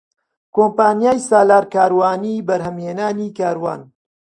کۆمپانیای سالار کاروانی بەرهەمهێنانی کاروان